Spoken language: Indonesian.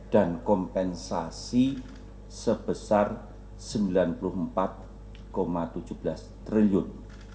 dan kompensasi sebesar rp sembilan puluh empat tujuh belas triliun